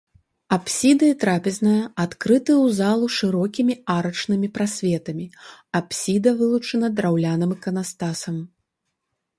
Апсіда і трапезная адкрыты ў залу шырокімі арачнымі прасветамі, апсіда вылучана драўляным іканастасам.